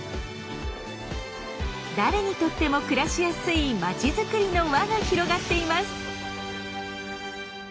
誰にとっても暮らしやすい町づくりの輪が広がっています。